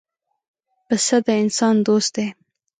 پسه د انسان دوست دی.